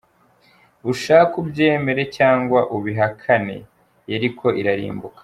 Ushake ubyemere cg ubihakane, Yeriko irarimbuka.